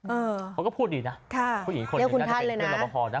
เออเขาก็พูดดีนะคุณท่านเลยนะ